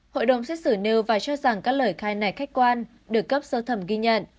hội đồng xét xử nêu và cho rằng các lời khai này khách quan được cấp sơ thẩm ghi nhận